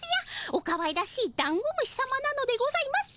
おかわいらしいダンゴムシさまなのでございます。